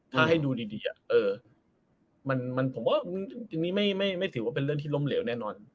ถ้าให้ดูดีผมว่าจริงนี้ไม่ถือว่าเป็นเรื่องที่ล้มเหลวแน่นอน